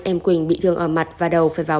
em quỳnh bị thương ở mặt và đầu phải vào